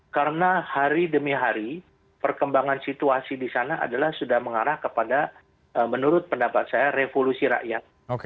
karena hari demi hari perkembangan situasi di sana adalah sudah mengarah kepada menurut pendapat saya revolusi rakyat